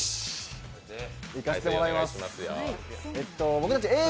僕たちＡぇ！